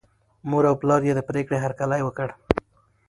مور او پلار یې د پرېکړې هرکلی وکړ.